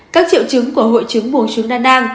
các triệu trứng của hội trứng mùa trứng đa nang